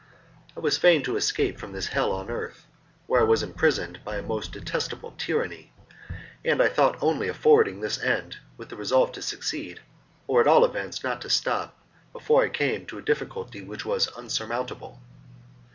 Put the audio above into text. I was fain to escape from this hell on earth, where I was imprisoned by a most detestable tyranny, and I thought only of forwarding this end, with the resolve to succeed, or at all events not to stop before I came to a difficulty which was insurmountable.